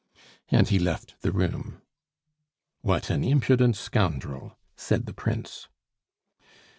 And he left the room. "What an impudent scoundrel!" said the Prince.